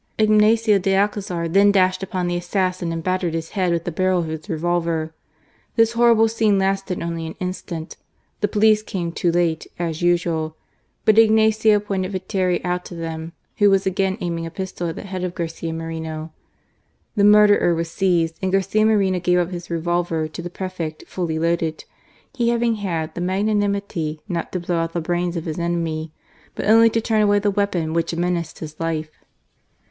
Ignazio de Alcazar then dashed upon the assassin, and battered his head THE ASSASSIN VITERI. 175 with the barrel of his revolver. This horrible scene lasted only an instant — the police came too late, as usual ; but Ignazio pointed Viteri out to them, who was again aiming a pistol at the head of Garcia Moreno. The murderer was seized, and Garcia Moreno gave up his revolver to the prefect fully loaded, he having had the magnanimity not to blow out the brains of his enemy, but only to turn away the weapon which menaced his life.